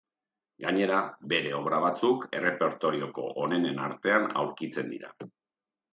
Gainera, bere obra batzuk errepertorioko onenen artean aurkitzen dira.